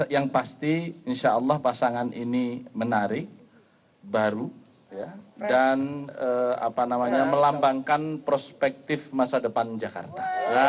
yang pasti insyaallah pasangan ini menarik baru dan melambangkan prospektif masa depan jakarta